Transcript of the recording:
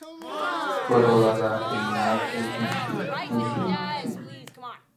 Fue rodada en Natchez, Mississippi.